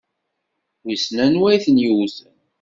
Wissen anwa i ten-yewwten?